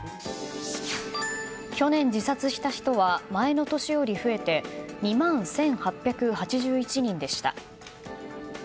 去年自殺した人は前の年より増えて２万１８８１人でした。